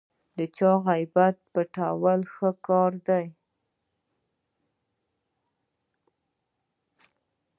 د چا عیب پټول ښه کار دی.